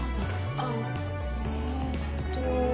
ああえっと。